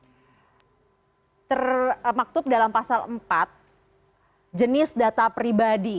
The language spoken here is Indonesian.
ini termaktub dalam pasal empat jenis data pribadi